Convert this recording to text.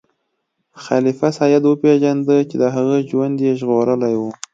خلیفه سید وپیژنده چې د هغه ژوند یې ژغورلی و.